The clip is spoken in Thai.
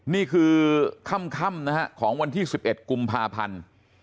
นี่คือค่ำนะฮะของวันที่๑๑กุมภาพันธ์